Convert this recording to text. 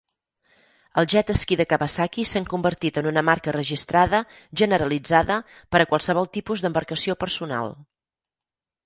El "Jet Ski" de Kawasaki s'han convertit en una marca registrada generalitzada per a qualsevol tipus d'embarcació personal.